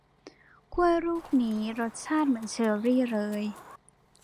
กล้วยลูกนี้รสชาติเหมือนเชอรี่เลย